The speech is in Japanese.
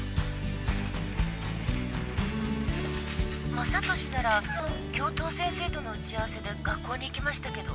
昌俊なら教頭先生との打ち合わせで学校に行きましたけど。